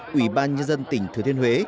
quỹ ban nhân dân tỉnh thừa thiên huế